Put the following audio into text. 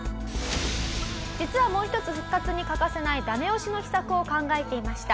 実はもう一つ復活に欠かせないダメ押しの秘策を考えていました。